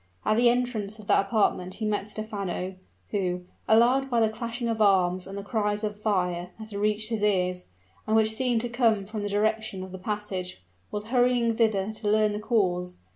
At the entrance of that apartment he met Stephano, who, alarmed by the clashing of arms and the cries of "fire" that had reached his ears, and which seemed to come from the direction of the passage, was hurrying thither to learn the cause.